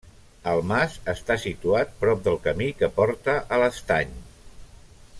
El mas està situat prop del camí que porta a l'Estany.